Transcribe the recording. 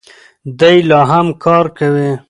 دی لا هم کار کوي.